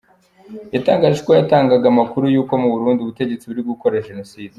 Yatangaje ko yatangaga amakuru y’ uko mu Burundi ubutegetsi buri gukora genocide.